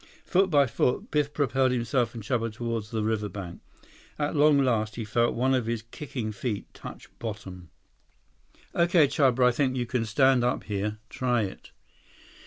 Foot by foot, Biff propelled himself and Chuba toward the riverbank. At long last, he felt one of his kicking feet touch bottom. 104 "Okay, Chuba. I think you can stand up here. Try it."